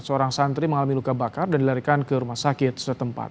seorang santri mengalami luka bakar dan dilarikan ke rumah sakit setempat